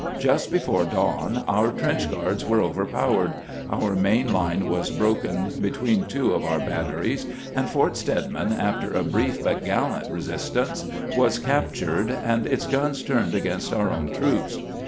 Just before dawn our trench guards were overpowered, our main line was broken between two of our batteries, and Fort Stedman, after a brief but gallant resistance, was cap tured, and its guns turned against our own troops.